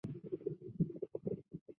珠光香青是菊科香青属的植物。